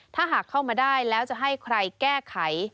ถ้าหากเข้ามาได้แล้วจะให้ใครแก้ไข